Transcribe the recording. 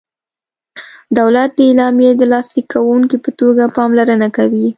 دولت د اعلامیې د لاسلیک کوونکي په توګه پاملرنه کوي.